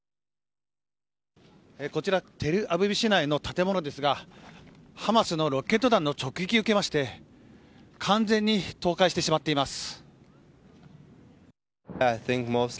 こちらテルアビブ市内の建物ですがハマスのロケット弾の直撃を受けまして完全に倒壊してしまっています。